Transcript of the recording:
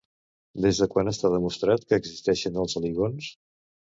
Des de quan està demostrat que existeixen els aligons?